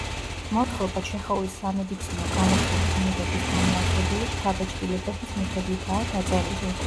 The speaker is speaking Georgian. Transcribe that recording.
მოთხრობა ჩეხოვის სამედიცინო განათლების მიღების გამო არსებული შთაბეჭდილებების მიხედვითაა დაწერილი.